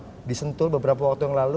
pidato bapak di sentul beberapa waktu yang lalu